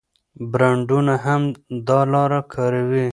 برانډونه هم دا لاره کاروي.